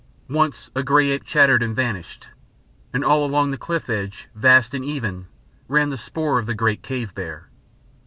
Once a grey ape chattered and vanished, and all along the cliff edge, vast and even, ran the spoor of the great cave bear.